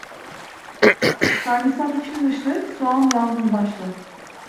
Sarmısak içli dışlı, soğan yalnız başlı.